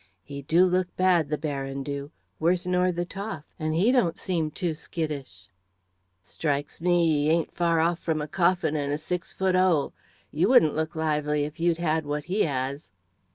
"He do look bad, the Baron do worse nor the Toff, and he don't seem too skittish!" "Strikes me he ain't far off from a coffin and a six foot 'ole. You wouldn't look lively if you'd had what he 'as.